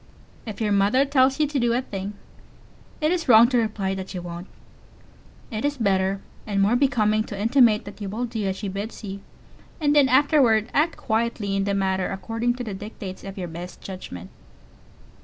If your mother tells you to do a thing, it is wrong to reply that you won't. It is better and more becoming to intimate that you will do as she bids you, and then afterward act quietly in the matter according to the dictates of your best judgment.